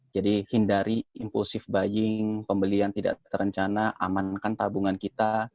jadi hindari impulsif buying pembelian tidak terencana amankan tabungan kita